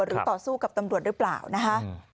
ต่อสู้กับตำรวจหรือเปล่านะคะ